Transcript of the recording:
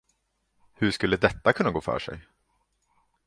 Hur skulle detta kunna gå för sig?